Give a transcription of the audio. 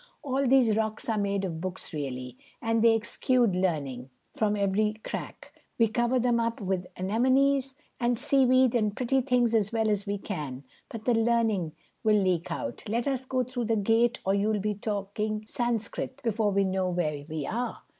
All these rocks are made of books really, and they exude learning from every crack. We cover them up with anemones and seaweed and pretty things as well as we can, but the learning will leak out. Let us go through the gate or you'll all be talking Sanskrit before we know where we are."